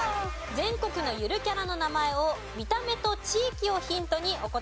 全国のゆるキャラの名前を見た目と地域をヒントにお答えください。